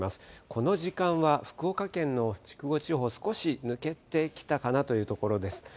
この時間は福岡県の筑後地方少し抜けてきたかなというところです。